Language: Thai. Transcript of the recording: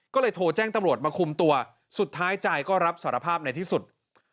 ก็เลยโทรแจ้งตำรวจมาคุมตัวสุดท้ายใจก็รับสารภาพในที่สุด